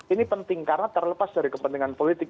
ini penting karena terlepas dari kepentingan politik